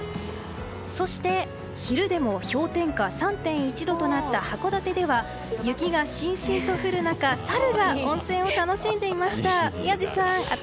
そして、昼でも氷点下３．１度となった函館では雪がしんしんと降る中サルが温泉を楽しんでいました。